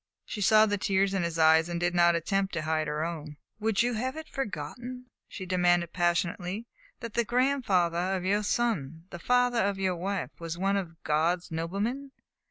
She saw the tears in his eyes and did not attempt to hide her own. "Would you have it forgotten," she demanded passionately, "that the grandfather of your son the father of your wife was one of God's noblemen?